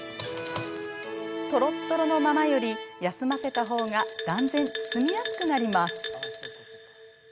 とろっとろのままより休ませたほうが断然、包みやすくなります。